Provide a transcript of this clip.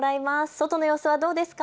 外の様子はどうですか。